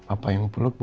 apa yang peluknya